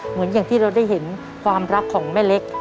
เหมือนอย่างที่เราได้เห็นความรักของแม่เล็ก